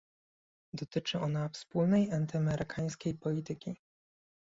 dotyczy ona wspólnej antyamerykańskiej polityki